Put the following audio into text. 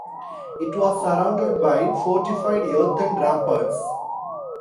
It was surrounded by fortified earthen ramparts.